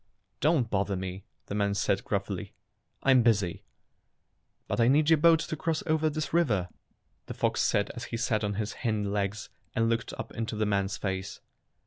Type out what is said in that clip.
"Don't bother me," the man said gruffly. "I'm busy." "But I need your boat to cross over this river," the fox said as he sat on his hind legs and looked up into the man's face.